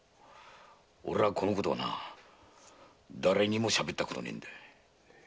俺はこのことは誰にもしゃべったことはねえんだ。